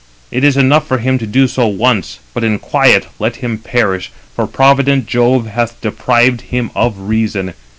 It is enough for him [to do so once]: but in quiet 309 let him perish, for provident Jove hath deprived him of reason.